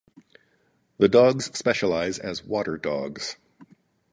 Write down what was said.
The dogs specialize as water dogs.